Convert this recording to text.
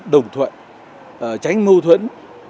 đồng thuận tránh mâu thuẫn